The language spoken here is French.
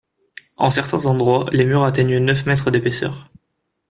En certains endroits, les murs atteignent neuf mètres d'épaisseur.